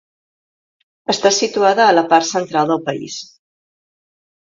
Està situada a la part central del país.